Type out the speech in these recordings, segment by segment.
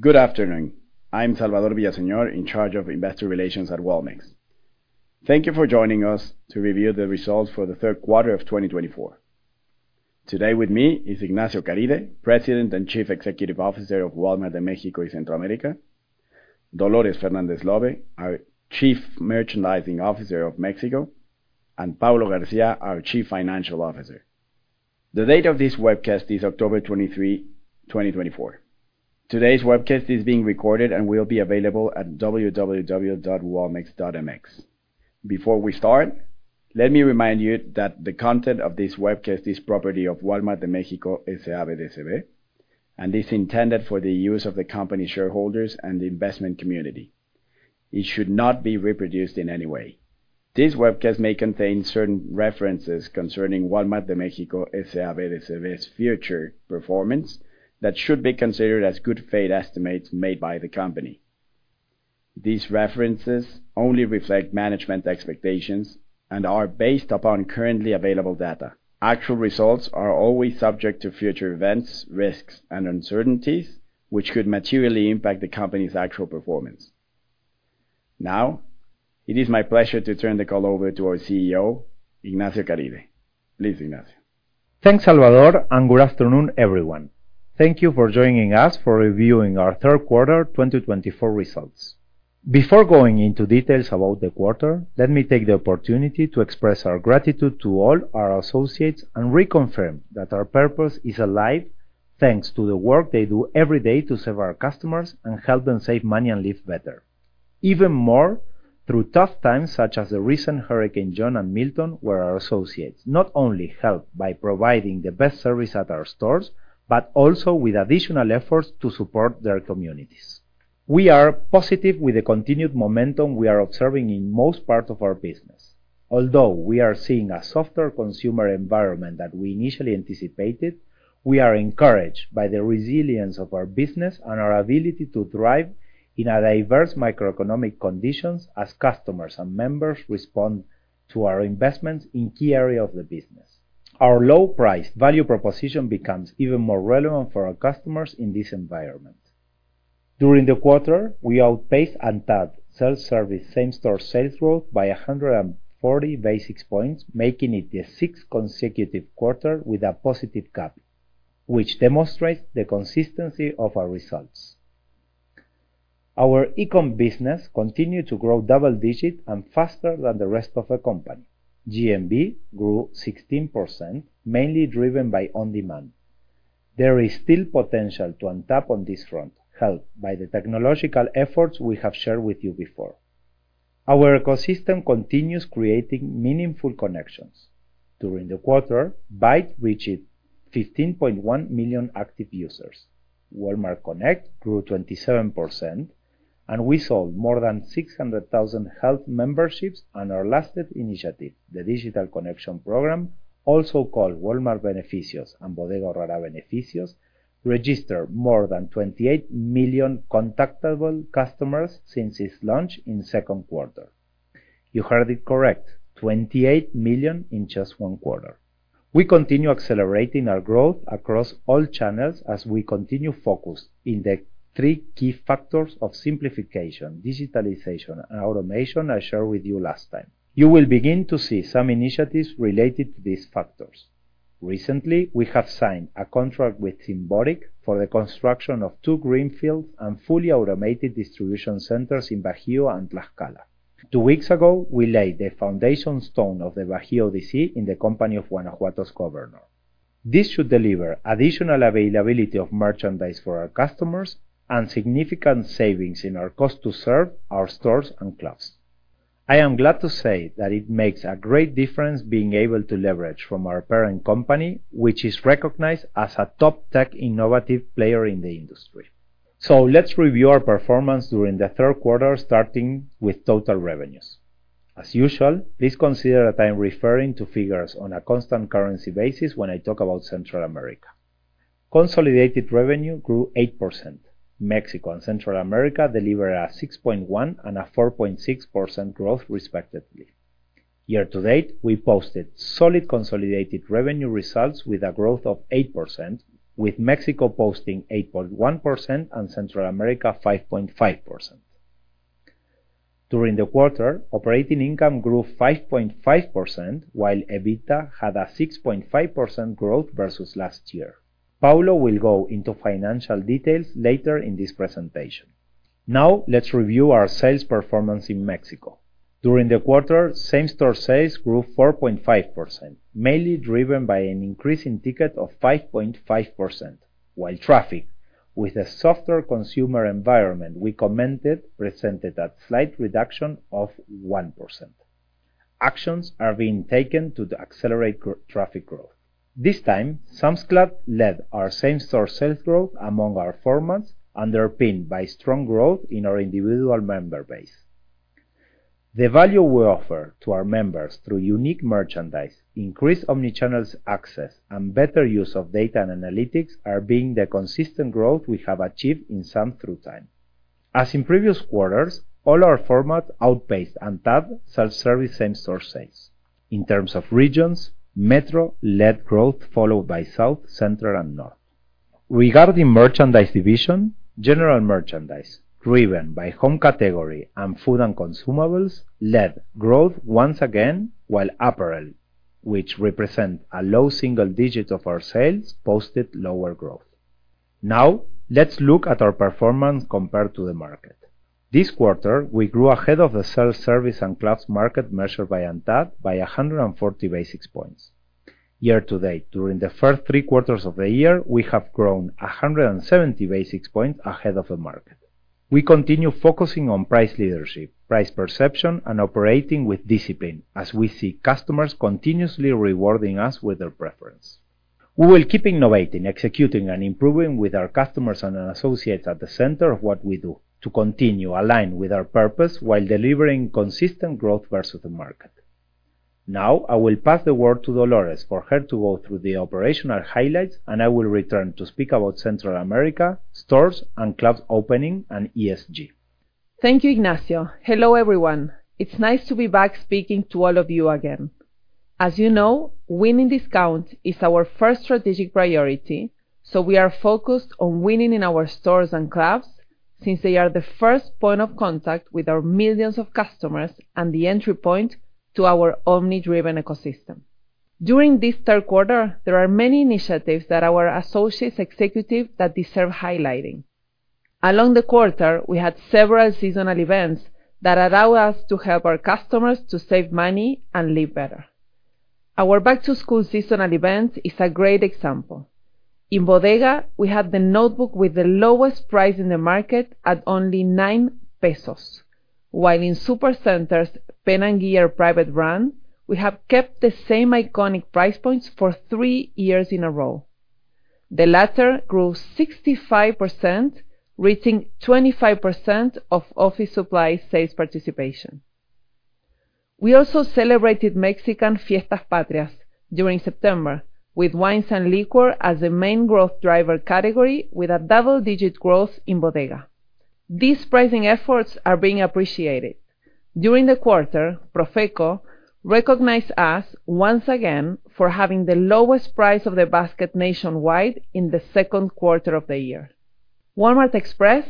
Good afternoon. I'm Salvador Villaseñor, in charge of Investor Relations at Walmex. Thank you for joining us to review the results for the third quarter of twenty twenty-four. Today with me is Ignacio Caride, President and Chief Executive Officer of Walmart de México y Centroamérica, Dolores Fernández Lobé, our Chief Merchandising Officer of Mexico, and Paulo García, our Chief Financial Officer. The date of this webcast is October 23rd, 2024. Today's webcast is being recorded and will be available at www.walmex.mx. Before we start, let me remind you that the content of this webcast is property of Walmart de México, S.A.B. de C.V., and is intended for the use of the company shareholders and the investment community. It should not be reproduced in any way. This webcast may contain certain references concerning Walmart de México, S.A.B. de C.V.'s future performance that should be considered as good faith estimates made by the company. These references only reflect management expectations and are based upon currently available data. Actual results are always subject to future events, risks, and uncertainties, which could materially impact the company's actual performance. Now, it is my pleasure to turn the call over to our CEO, Ignacio Caride. Please, Ignacio. Thanks, Salvador, and good afternoon, everyone. Thank you for joining us for reviewing our third quarter 2024 results. Before going into details about the quarter, let me take the opportunity to express our gratitude to all our associates and reconfirm that our purpose is alive, thanks to the work they do every day to serve our customers and help them save money and live better. Even more, through tough times, such as the recent Hurricane John and Milton, where our associates not only helped by providing the best service at our stores, but also with additional efforts to support their communities. We are positive with the continued momentum we are observing in most parts of our business. Although we are seeing a softer consumer environment than we initially anticipated, we are encouraged by the resilience of our business and our ability to thrive in a diverse macroeconomic conditions as customers and members respond to our investments in key areas of the business. Our low price value proposition becomes even more relevant for our customers in this environment. During the quarter, we outpaced ANTAD same-store sales growth by 140 basis points, making it the sixth consecutive quarter with a positive gap, which demonstrates the consistency of our results. Our e-com business continued to grow double digit and faster than the rest of the company. GMV grew 16%, mainly driven by on-demand. There is still potential to untap on this front, helped by the technological efforts we have shared with you before. Our ecosystem continues creating meaningful connections. During the quarter, Bait reached 15.1 million active users. Walmart Connect grew 27%, and we sold more than 600,000 health memberships on our latest initiative, the Digital Connection program, also called Walmart Beneficios and Bodega Aurrerá Beneficios, registered more than 28 million contactable customers since its launch in second quarter. You heard it correct, 28 million in just one quarter. We continue accelerating our growth across all channels as we continue focused in the three key factors of simplification, digitalization, and automation I shared with you last time. You will begin to see some initiatives related to these factors. Recently, we have signed a contract with Symbotic for the construction of two greenfield and fully automated distribution centers in Bajío and Tlaxcala. Two weeks ago, we laid the foundation stone of the Bajío DC in the company of Guanajuato's governor. This should deliver additional availability of merchandise for our customers and significant savings in our cost to serve our stores and clubs. I am glad to say that it makes a great difference being able to leverage from our parent company, which is recognized as a top tech innovative player in the industry. So let's review our performance during the third quarter, starting with total revenues. As usual, please consider that I'm referring to figures on a constant currency basis when I talk about Central America. Consolidated revenue grew 8%. Mexico and Central America delivered a 6.1% and a 4.6% growth, respectively. Year to date, we posted solid consolidated revenue results with a growth of 8%, with Mexico posting 8.1% and Central America, 5.5%. During the quarter, operating income grew 5.5%, while EBITDA had a 6.5% growth versus last year. Paulo will go into financial details later in this presentation. Now, let's review our sales performance in Mexico. During the quarter, same-store sales grew 4.5%, mainly driven by an increase in ticket of 5.5%, while traffic, with a softer consumer environment we commented, presented a slight reduction of 1%. Actions are being taken to accelerate traffic growth. This time, Sam's Club led our same-store sales growth among our formats, underpinned by strong growth in our individual member base. The value we offer to our members through unique merchandise, increased omnichannel access, and better use of data and analytics are being the consistent growth we have achieved in Sam's through time.... As in previous quarters, all our formats outpaced ANTAD self-service same-store sales. In terms of regions, metro led growth, followed by south, central, and north. Regarding merchandise division, general merchandise, driven by home category and food and consumables, led growth once again, while apparel, which represent a low single digit of our sales, posted lower growth. Now, let's look at our performance compared to the market. This quarter, we grew ahead of the self-service and clubs market measured by ANTAD by 140 basis points. Year to date, during the first three quarters of the year, we have grown 170 basis points ahead of the market. We continue focusing on price leadership, price perception, and operating with discipline, as we see customers continuously rewarding us with their preference. We will keep innovating, executing, and improving with our customers and our associates at the center of what we do, to continue align with our purpose, while delivering consistent growth versus the market. Now, I will pass the word to Dolores for her to go through the operational highlights, and I will return to speak about Central America, stores, and clubs opening, and ESG. Thank you, Ignacio. Hello, everyone. It's nice to be back speaking to all of you again. As you know, winning with discount is our first strategic priority, so we are focused on winning in our stores and clubs, since they are the first point of contact with our millions of customers and the entry point to our omni-driven ecosystem. During this third quarter, there are many initiatives that our associates executed that deserve highlighting. Throughout the quarter, we had several seasonal events that allow us to help our customers to save money and live better. Our back-to-school seasonal event is a great example. In Bodega, we have the notebook with the lowest price in the market at only nine pesos, while in Supercenters, Pen + Gear private brand, we have kept the same iconic price points for three years in a row. The latter grew 65%, reaching 25% of office supply sales participation. We also celebrated Mexican Fiestas Patrias during September, with wines and liquor as the main growth driver category, with a double-digit growth in Bodega. These pricing efforts are being appreciated. During the quarter, Profeco recognized us once again for having the lowest price of the basket nationwide in the second quarter of the year. Walmart Express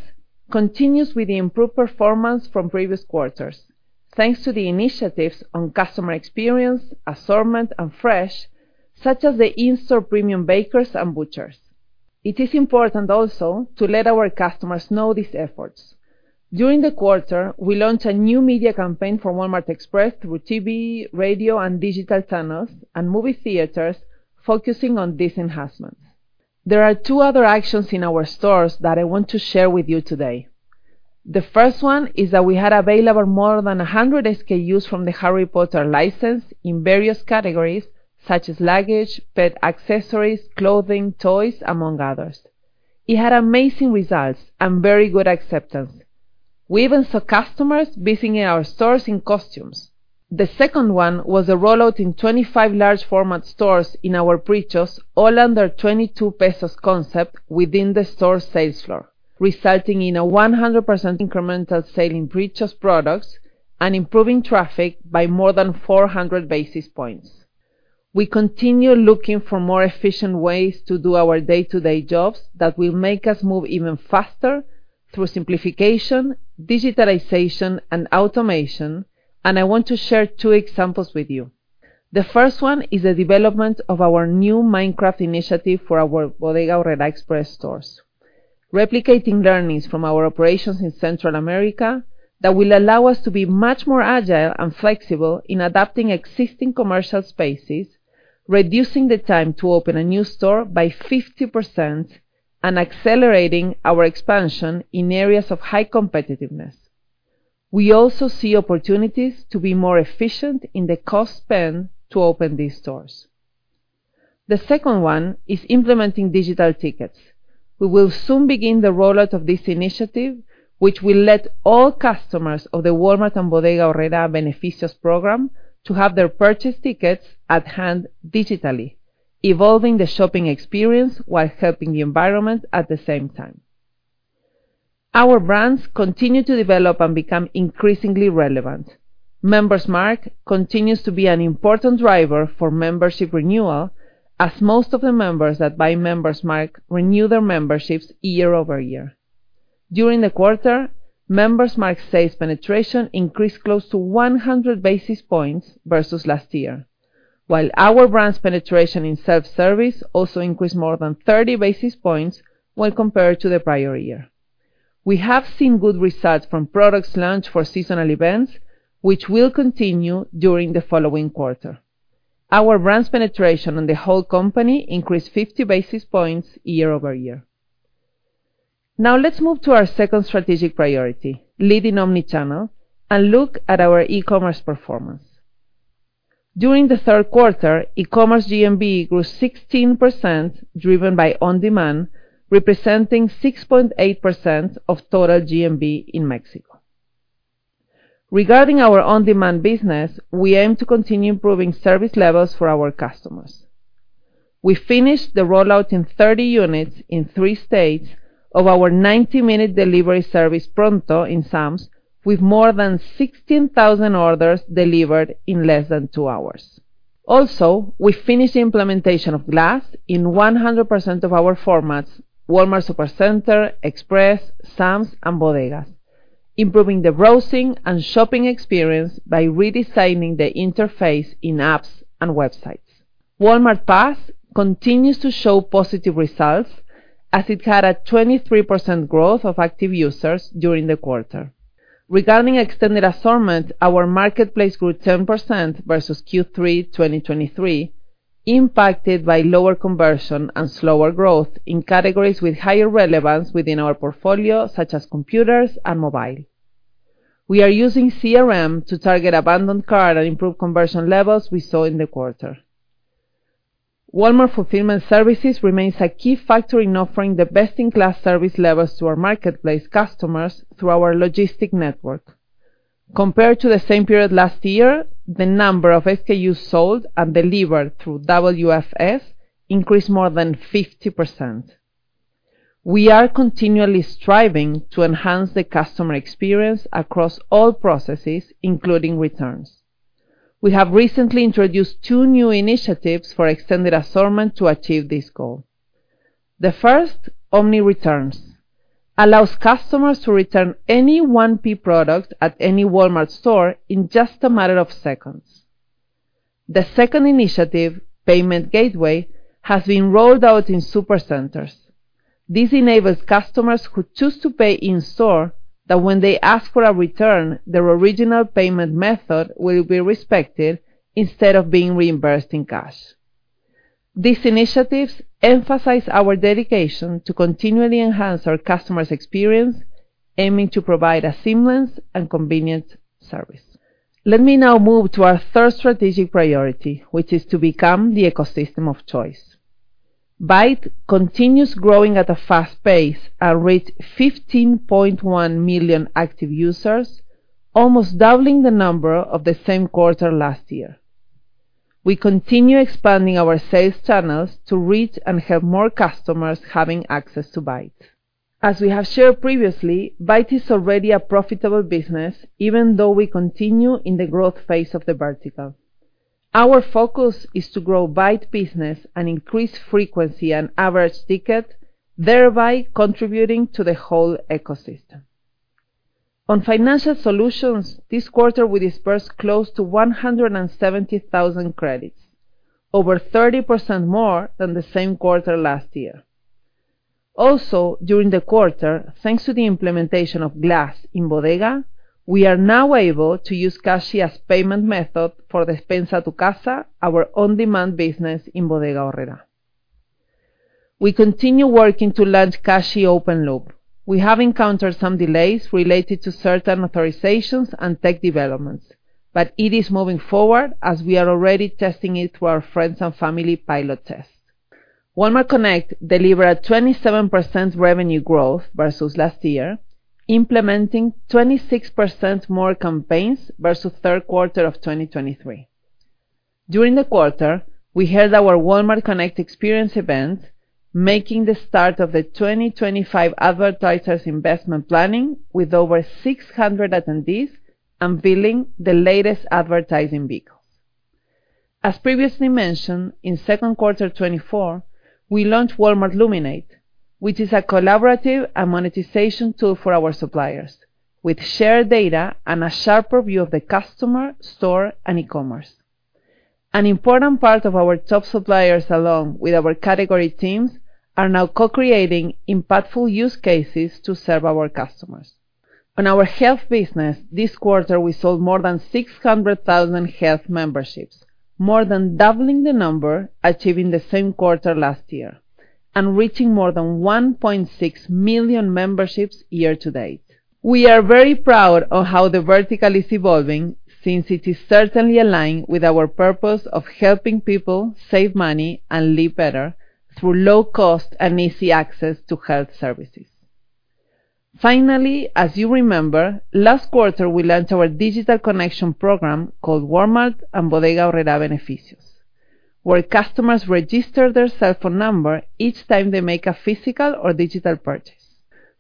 continues with the improved performance from previous quarters, thanks to the initiatives on customer experience, assortment, and fresh, such as the in-store premium bakers and butchers. It is important also to let our customers know these efforts. During the quarter, we launched a new media campaign for Walmart Express through TV, radio, and digital channels, and movie theaters focusing on these enhancements. There are two other actions in our stores that I want to share with you today. The first one is that we had available more than 100 SKUs from the Harry Potter license in various categories, such as luggage, pet accessories, clothing, toys, among others. It had amazing results and very good acceptance. We even saw customers visiting our stores in costumes. The second one was a rollout in 25 large format stores in our Prichos, all under 22 pesos concept within the store sales floor, resulting in a 100% incremental sale in Prichos products and improving traffic by more than 400 basis points. We continue looking for more efficient ways to do our day-to-day jobs that will make us move even faster through simplification, digitalization, and automation, and I want to share two examples with you. The first one is the development of our new Minecraft initiative for our Bodega Aurrera Express stores, replicating learnings from our operations in Central America that will allow us to be much more agile and flexible in adapting existing commercial spaces, reducing the time to open a new store by 50%, and accelerating our expansion in areas of high competitiveness. We also see opportunities to be more efficient in the cost spent to open these stores. The second one is implementing digital tickets. We will soon begin the rollout of this initiative, which will let all customers of the Walmart and Bodega Aurrerá Beneficios program to have their purchase tickets at hand digitally, evolving the shopping experience while helping the environment at the same time. Our brands continue to develop and become increasingly relevant. Member's Mark continues to be an important driver for membership renewal, as most of the members that buy Member's Mark renew their memberships year over year. During the quarter, Member's Mark sales penetration increased close to 100 basis points versus last year, while our brand's penetration in self-service also increased more than 30 basis points when compared to the prior year. We have seen good results from products launched for seasonal events, which will continue during the following quarter. Our brand's penetration on the whole company increased 50 basis points year over year. Now, let's move to our second strategic priority, leading omnichannel, and look at our e-commerce performance. During the third quarter, e-commerce GMV grew 16%, driven by on-demand, representing 6.8% of total GMV in Mexico. Regarding our on-demand business, we aim to continue improving service levels for our customers. We finished the rollout in 30 units in three states of our 90-minute delivery service, Pronto, in Sam's, with more than 16,000 orders delivered in less than two hours. Also, we finished the implementation of Glass in 100% of our formats, Walmart Supercenter, Express, Sam's, and Bodegas, improving the browsing and shopping experience by redesigning the interface in apps and websites. Walmart Pass continues to show positive results, as it had a 23% growth of active users during the quarter. Regarding extended assortment, our marketplace grew 10% versus Q3 2023, impacted by lower conversion and slower growth in categories with higher relevance within our portfolio, such as computers and mobile. We are using CRM to target abandoned cart and improve conversion levels we saw in the quarter. Walmart Fulfillment Services remains a key factor in offering the best-in-class service levels to our marketplace customers through our logistics network. Compared to the same period last year, the number of SKUs sold and delivered through WFS increased more than 50%. We are continually striving to enhance the customer experience across all processes, including returns. We have recently introduced two new initiatives for extended assortment to achieve this goal. The first, Omni Returns, allows customers to return any 1P product at any Walmart store in just a matter of seconds. The second initiative, Payment Gateway, has been rolled out in Supercenters. This enables customers who choose to pay in-store that when they ask for a return, their original payment method will be respected instead of being reimbursed in cash. These initiatives emphasize our dedication to continually enhance our customers' experience, aiming to provide a seamless and convenient service. Let me now move to our third strategic priority, which is to become the ecosystem of choice. Bait continues growing at a fast pace and reached 15.1 million active users, almost doubling the number of the same quarter last year. We continue expanding our sales channels to reach and help more customers having access to Bait. As we have shared previously, Bait is already a profitable business, even though we continue in the growth phase of the vertical. Our focus is to grow Bait business and increase frequency and average ticket, thereby contributing to the whole ecosystem. On financial solutions, this quarter, we dispersed close to 170,000 credits, over 30% more than the same quarter last year. Also, during the quarter, thanks to the implementation of Glass in Bodega, we are now able to use Cashi as payment method for the Despensa a tu Casa, our on-demand business in Bodega Aurrerá. We continue working to launch Cashi Open Loop. We have encountered some delays related to certain authorizations and tech developments, but it is moving forward, as we are already testing it through our friends and family pilot test. Walmart Connect delivered a 27% revenue growth versus last year, implementing 26% more campaigns versus third quarter of 2023. During the quarter, we held our Walmart Connect experience event, making the start of the 2025 advertisers' investment planning with over 600 attendees, unveiling the latest advertising vehicles. As previously mentioned, in second quarter 2024, we launched Walmart Luminate, which is a collaborative and monetization tool for our suppliers, with shared data and a sharper view of the customer, store, and e-commerce. An important part of our top suppliers, along with our category teams, are now co-creating impactful use cases to serve our customers. On our health business, this quarter, we sold more than 600,000 health memberships, more than doubling the number, achieving the same quarter last year, and reaching more than 1.6 million memberships year to date. We are very proud of how the vertical is evolving, since it is certainly aligned with our purpose of helping people save money and live better through low cost and easy access to health services. Finally, as you remember, last quarter, we launched our digital connection program called Walmart Beneficios and Bodega Aurrerá Beneficios, where customers register their cell phone number each time they make a physical or digital purchase.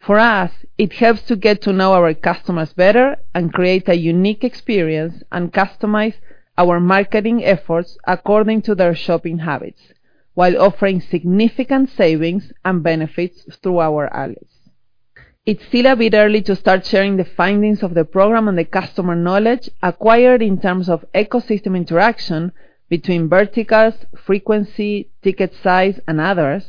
For us, it helps to get to know our customers better and create a unique experience, and customize our marketing efforts according to their shopping habits, while offering significant savings and benefits through our allies. It's still a bit early to start sharing the findings of the program and the customer knowledge acquired in terms of ecosystem interaction between verticals, frequency, ticket size, and others,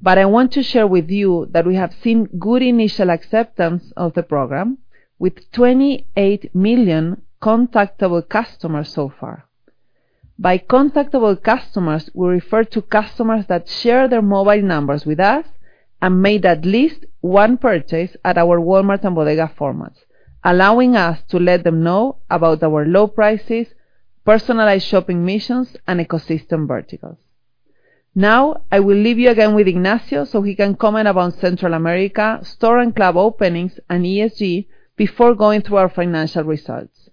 but I want to share with you that we have seen good initial acceptance of the program with 28 million contactable customers so far. By contactable customers, we refer to customers that share their mobile numbers with us and made at least one purchase at our Walmart and Bodega formats, allowing us to let them know about our low prices, personalized shopping missions, and ecosystem verticals. Now, I will leave you again with Ignacio, so he can comment about Central America, store and club openings, and ESG, before going through our financial results.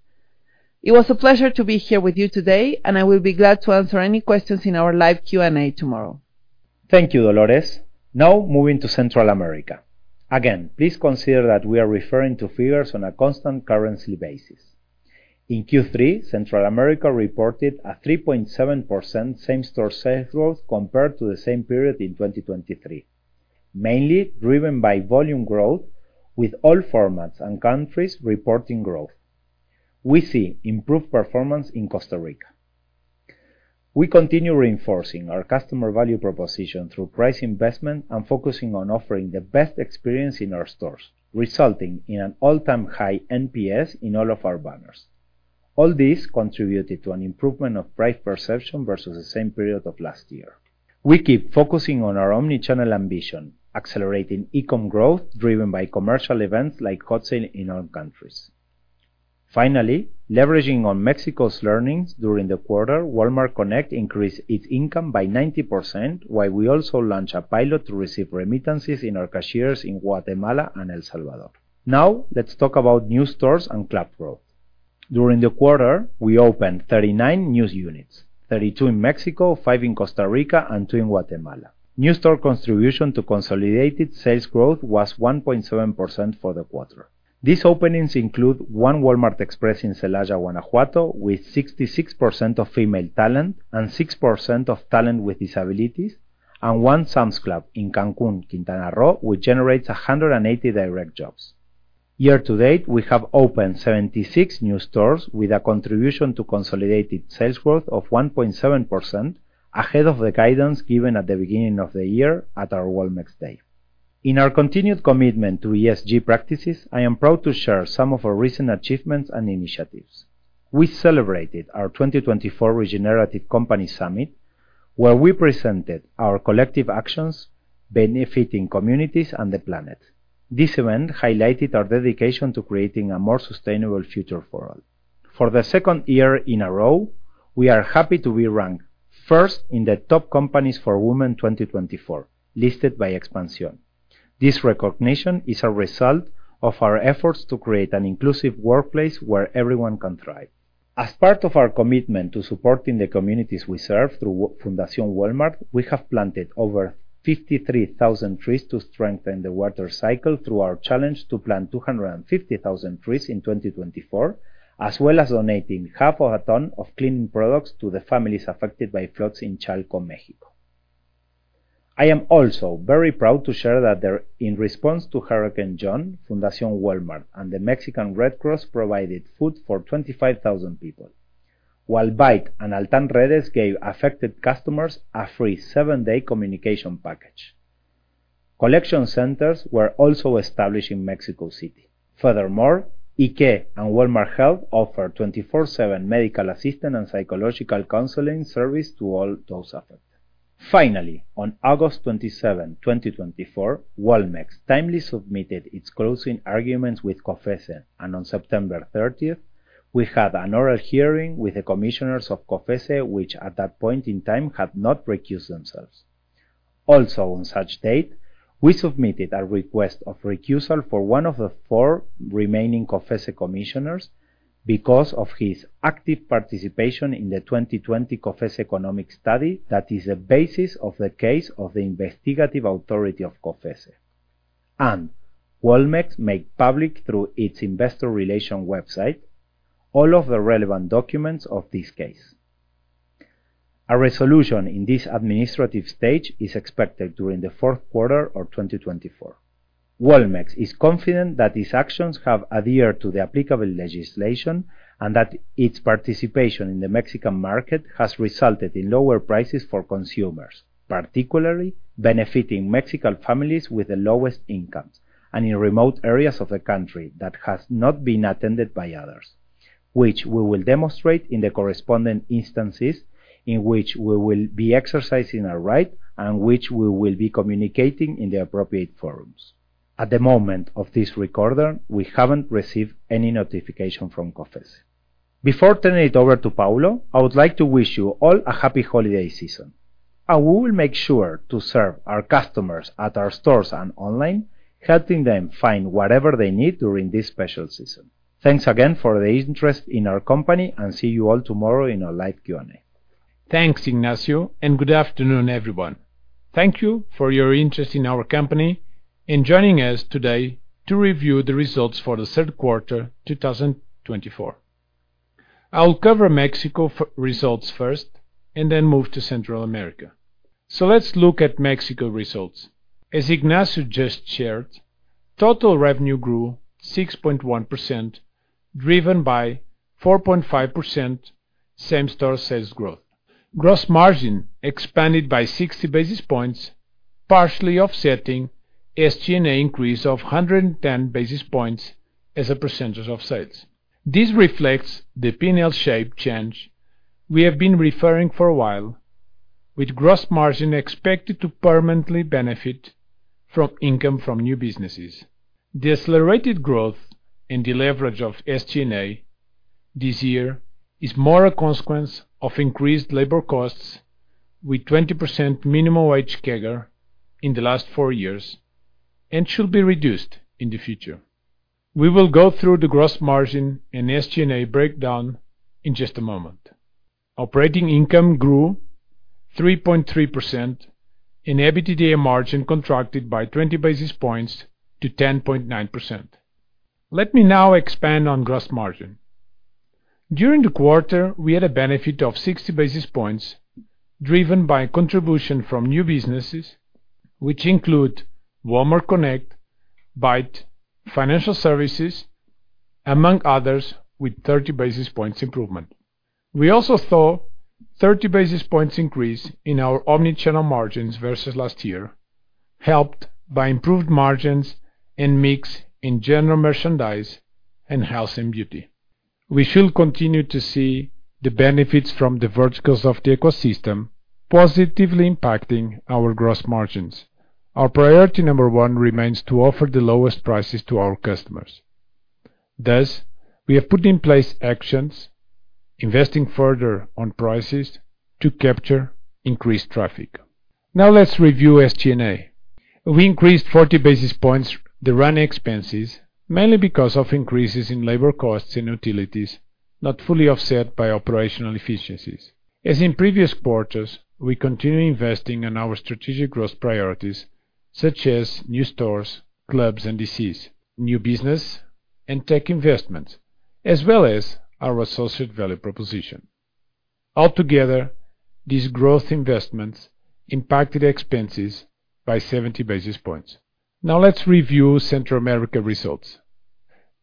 It was a pleasure to be here with you today, and I will be glad to answer any questions in our live Q&A tomorrow. Thank you, Dolores. Now, moving to Central America. Again, please consider that we are referring to figures on a constant currency basis. In Q3, Central America reported a 3.7% same-store sales growth compared to the same period in 2023, mainly driven by volume growth, with all formats and countries reporting growth. We see improved performance in Costa Rica. We continue reinforcing our customer value proposition through price investment and focusing on offering the best experience in our stores, resulting in an all-time high NPS in all of our banners. All this contributed to an improvement of price perception versus the same period of last year. We keep focusing on our omni-channel ambition, accelerating e-com growth, driven by commercial events like Hot Sale in all countries. Finally, leveraging on Mexico's learnings during the quarter, Walmart Connect increased its income by 90%, while we also launched a pilot to receive remittances in our cashiers in Guatemala and El Salvador. Now, let's talk about new stores and club growth. During the quarter, we opened 39 new units: 32 in Mexico, five in Costa Rica, and two in Guatemala. New store contribution to consolidated sales growth was 1.7% for the quarter. These openings include one Walmart Express in Celaya, Guanajuato, with 66% of female talent and 6% of talent with disabilities, and one Sam's Club in Cancún, Quintana Roo, which generates 180 direct jobs. Year to date, we have opened 76 new stores with a contribution to consolidated sales growth of 1.7%, ahead of the guidance given at the beginning of the year at our Walmex Day. In our continued commitment to ESG practices, I am proud to share some of our recent achievements and initiatives. We celebrated our 2024 Regenerative Company Summit, where we presented our collective actions benefiting communities and the planet. This event highlighted our dedication to creating a more sustainable future for all. For the second year in a row, we are happy to be ranked first in the Top Companies for Women 2024, listed by Expansión. This recognition is a result of our efforts to create an inclusive workplace where everyone can thrive. As part of our commitment to supporting the communities we serve through Fundación Walmart, we have planted over 53,000 trees to strengthen the water cycle through our challenge to plant 250,000 trees in 2024, as well as donating 0.5 ton of cleaning products to the families affected by floods in Chalco, Mexico. I am also very proud to share that there, in response to Hurricane John, Fundación Walmart and the Mexican Red Cross provided food for 25,000 people, while Bait and Altán Redes gave affected customers a free seven-day communication package. Collection centers were also established in Mexico City. Furthermore, IKE and Walmart Health offered 24/7 medical assistance and psychological counseling service to all those affected. Finally, on August 27th, 2024, Walmex timely submitted its closing arguments with COFECE, and on September 30th, we had an oral hearing with the commissioners of COFECE, which, at that point in time, had not recused themselves. Also, on such date, we submitted a request of recusal for one of the four remaining COFECE commissioners because of his active participation in the 2020 COFECE economic study that is the basis of the case of the investigative authority of COFECE. And Walmex made public, through its investor relation website, all of the relevant documents of this case. A resolution in this administrative stage is expected during the fourth quarter of 2024. Walmex is confident that these actions have adhered to the applicable legislation, and that its participation in the Mexican market has resulted in lower prices for consumers, particularly benefiting Mexican families with the lowest incomes, and in remote areas of the country that has not been attended by others, which we will demonstrate in the corresponding instances in which we will be exercising our right, and which we will be communicating in the appropriate forums. At the moment of this recording, we haven't received any notification from COFECE. Before turning it over to Paulo, I would like to wish you all a happy holiday season, and we will make sure to serve our customers at our stores and online, helping them find whatever they need during this special season. Thanks again for the interest in our company, and see you all tomorrow in our live Q&A. Thanks, Ignacio, and good afternoon, everyone. Thank you for your interest in our company and joining us today to review the results for the third quarter, 2024. I will cover Mexico results first, and then move to Central America. So let's look at Mexico results. As Ignacio just shared, total revenue grew 6.1%, driven by 4.5% same-store sales growth. Gross margin expanded by 60 basis points, partially offsetting SG&A increase of 110 basis points as a percentage of sales. This reflects the P&L shape change we have been referring to for a while, with gross margin expected to permanently benefit from income from new businesses. The accelerated growth and the leverage of SG&A-... This year is more a consequence of increased labor costs, with 20% minimum wage CAGR in the last four years, and should be reduced in the future. We will go through the gross margin and SG&A breakdown in just a moment. Operating income grew 3.3%, and EBITDA margin contracted by 20 basis points to 10.9%. Let me now expand on gross margin. During the quarter, we had a benefit of 60 basis points, driven by contribution from new businesses, which include Walmart Connect, Bite, Financial Services, among others, with 30 basis points improvement. We also saw 30 basis points increase in our omni-channel margins versus last year, helped by improved margins and mix in general merchandise and health and beauty. We should continue to see the benefits from the verticals of the ecosystem positively impacting our gross margins. Our priority number one remains to offer the lowest prices to our customers. Thus, we have put in place actions, investing further on prices to capture increased traffic. Now, let's review SG&A. We increased 40 basis points the running expenses, mainly because of increases in labor costs and utilities, not fully offset by operational efficiencies. As in previous quarters, we continue investing in our strategic growth priorities, such as new stores, clubs, and DCs, new business and tech investments, as well as our associate value proposition. Altogether, these growth investments impacted expenses by 70 basis points. Now, let's review Central America results.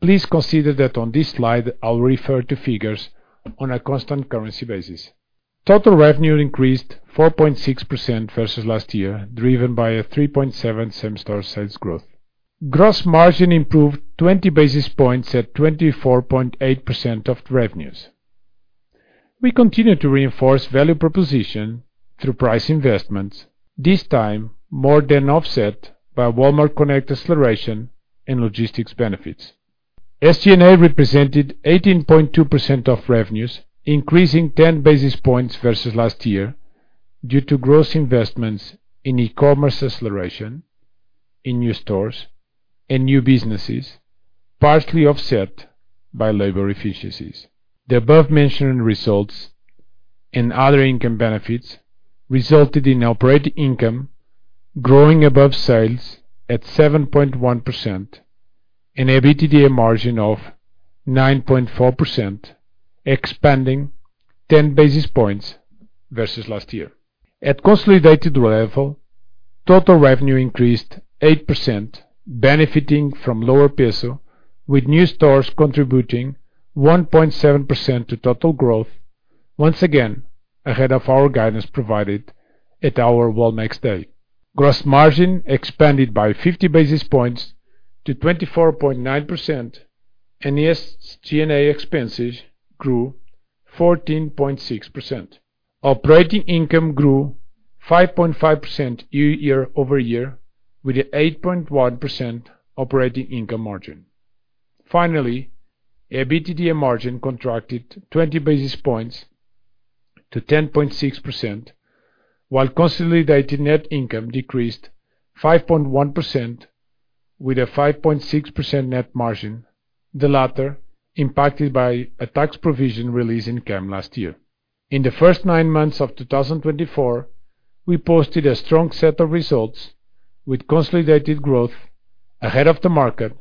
Please consider that on this slide, I'll refer to figures on a constant currency basis. Total revenue increased 4.6% versus last year, driven by a 3.7 same-store sales growth. Gross margin improved 20 basis points at 24.8% of the revenues. We continue to reinforce value proposition through price investments, this time more than offset by Walmart Connect acceleration and logistics benefits. SG&A represented 18.2% of revenues, increasing 10 basis points versus last year due to gross investments in e-commerce acceleration, in new stores, and new businesses, partially offset by labor efficiencies. The above-mentioned results and other income benefits resulted in operating income growing above sales at 7.1% and EBITDA margin of 9.4%, expanding 10 basis points versus last year. At consolidated level, total revenue increased 8%, benefiting from lower peso, with new stores contributing 1.7% to total growth, once again ahead of our guidance provided at our Walmex day. Gross margin expanded by 50 basis points to 24.9%, and SG&A expenses grew 14.6%. Operating income grew 5.5% year over year, with an 8.1% operating income margin. Finally, EBITDA margin contracted 20 basis points to 10.6%, while consolidated net income decreased 5.1% with a 5.6% net margin, the latter impacted by a tax provision release income last year. In the first nine months of 2024, we posted a strong set of results with consolidated growth ahead of the market,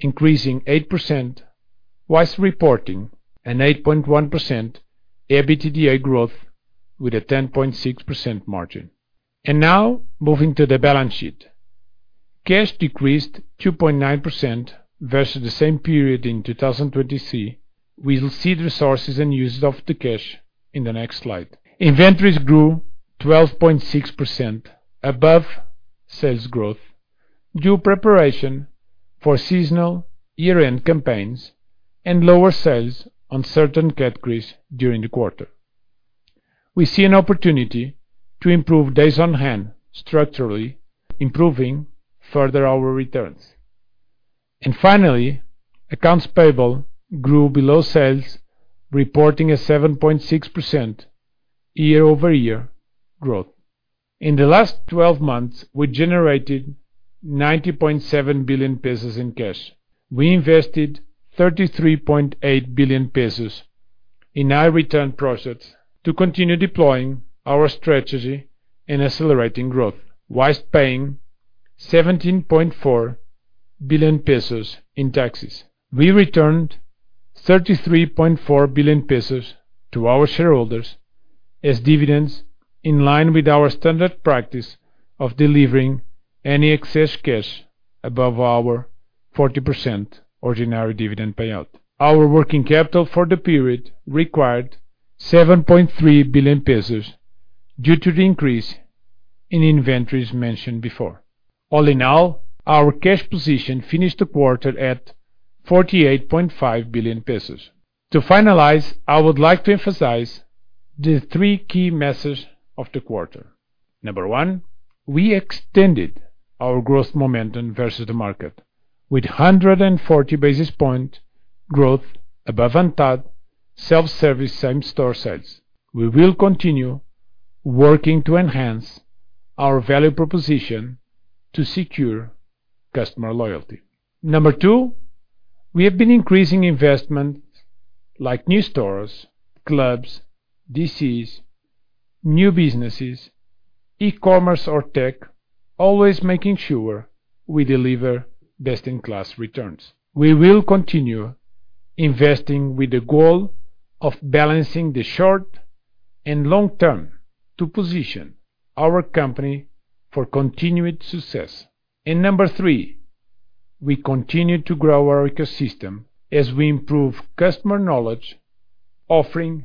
increasing 8%, whilst reporting an 8.1% EBITDA growth with a 10.6% margin. Now, moving to the balance sheet. Cash decreased 2.9% versus the same period in 2023. We'll see the resources and uses of the cash in the next slide. Inventories grew 12.6% above sales growth due preparation for seasonal year-end campaigns and lower sales on certain categories during the quarter. We see an opportunity to improve days on hand, structurally improving further our returns. Finally, accounts payable grew below sales, reporting a 7.6% year-over-year growth. In the last 12 months, we generated 90.7 billion pesos in cash. We invested 33.8 billion pesos in high return projects to continue deploying our strategy in accelerating growth, while paying 17.4 billion pesos in taxes. We returned 33.4 billion pesos to our shareholders as dividends in line with our standard practice of delivering any excess cash above our 40% ordinary dividend payout. Our working capital for the period required 7.3 billion pesos due to the increase in inventories mentioned before. All in all, our cash position finished the quarter at 48.5 billion pesos. To finalize, I would like to emphasize the three key messages of the quarter. Number one, we extended our growth momentum versus the market with 140 basis points growth above ANTAD self-service same-store sales. We will continue working to enhance our value proposition to secure customer loyalty. Number two, we have been increasing investment like new stores, clubs, DCs, new businesses, e-commerce or tech, always making sure we deliver best-in-class returns. We will continue investing with the goal of balancing the short and long term to position our company for continued success. Number three, we continue to grow our ecosystem as we improve customer knowledge, offering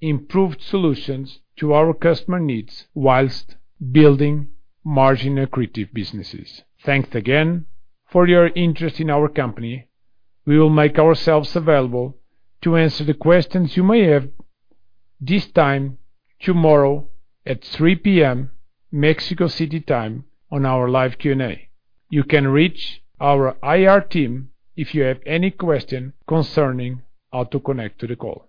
improved solutions to our customer needs while building margin-accretive businesses. Thanks again for your interest in our company. We will make ourselves available to answer the questions you may have, this time tomorrow at 3:00 P.M., Mexico City time, on our live Q&A. You can reach our IR team if you have any question concerning how to connect to the call.